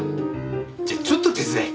じゃあちょっと手伝え。